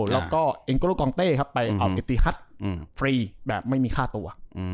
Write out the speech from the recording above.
แล้วก็เอ็งโกโลกองเต้ครับไปออกกิติฮัทฟรีแบบไม่มีค่าตัว